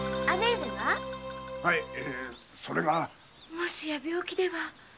もしや病気では？